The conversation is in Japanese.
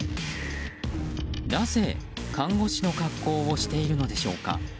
なぜ看護師の格好をしているのでしょうか。